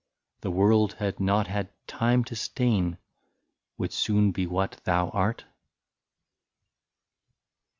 The world had not had time to stain, Would soon be what thou art